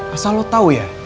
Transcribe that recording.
asal lo tau ya